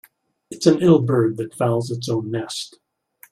It's an ill bird that fouls its own nest.